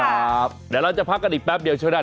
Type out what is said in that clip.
เดี๋ยวเราจะพักกันอีกแป๊บเดียวช่วงหน้า